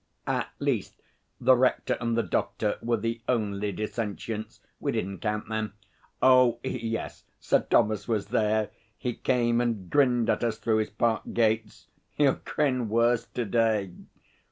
At least, the Rector and the Doctor were the only dissentients. We didn't count them. Oh yes, Sir Thomas was there. He came and grinned at us through his park gates. He'll grin worse to day.